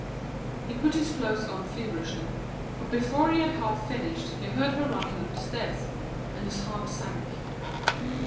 He put his clothes on feverishly, but before he had half finished he heard her running up the stairs, and his heart sank.